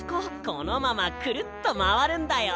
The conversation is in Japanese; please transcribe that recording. このままクルッとまわるんだよ。